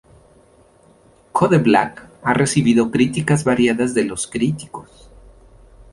Code Black ha recibido críticas variadas de los críticos.